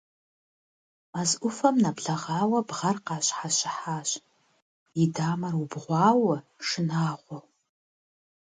Мэз Ӏуфэм нэблэгъуауэ Бгъэр къащхьэщыхьащ, и дамэр убгъуауэ, шынагъуэу.